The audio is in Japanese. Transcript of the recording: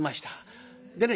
でね